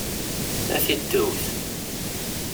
A tiddewt!